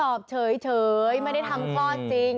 อบเฉยไม่ได้ทำคลอดจริง